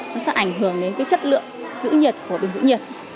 nó sẽ ảnh hưởng đến cái chất lượng giữ nhiệt của bình giữ nhiệt